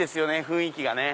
雰囲気がね。